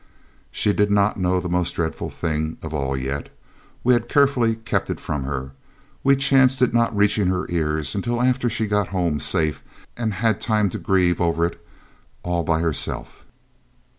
She did not know the most dreadful thing of all yet. We had carefully kept it from her. We chanced its not reaching her ears until after she had got home safe and had time to grieve over it all by herself.